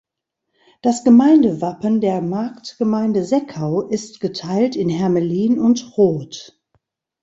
Das Gemeindewappen der Marktgemeinde Seckau ist geteilt in Hermelin und Rot.